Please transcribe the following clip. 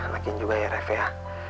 lagian juga ya rev ya